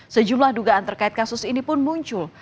sejumlah dugaan terkait kasus ini pun muncul